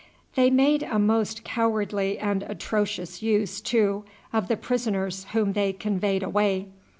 They made a most cowardly and atrocious use, too, of the prisoners whom they conveyed away.